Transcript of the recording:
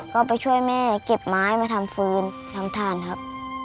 ก็ไปช่วยแม่เก็บไม้มาทำฟืนทำถ่านครับ